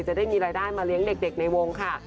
จะได้มีรายได้มาเลี้ยงเด็กในวงค่ะ